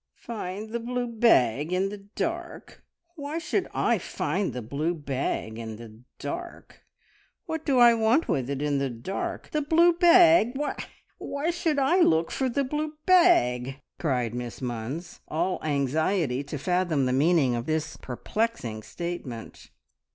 "Find the blue bag in the dark! Why should I find the blue bag in the dark? What do I want with it in the dark? The blue bag! Why should I look for the blue bag?" cried Miss Munns, all anxiety to fathom the meaning of this perplexing statement.